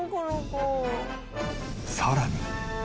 さらに？